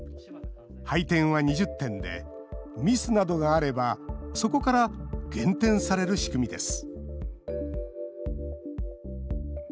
配点は２０点でミスなどがあればそこから減点される仕組みです